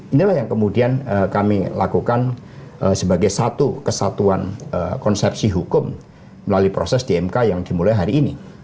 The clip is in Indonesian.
inilah yang kemudian kami lakukan sebagai satu kesatuan konsepsi hukum melalui proses dmk yang dimulai hari ini